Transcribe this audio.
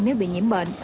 nếu bị nhiễm bệnh